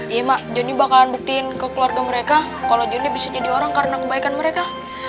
iya mak johnny bakalan buktiin ke keluarga mereka kalau johnny bisa jadi orang karena kebaikan mereka